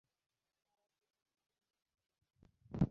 তারা কোথাও বেশিদিন থাকে না।